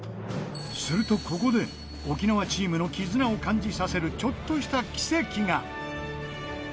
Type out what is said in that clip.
すると、ここで沖縄チームの絆を感じさせるちょっとした奇跡が！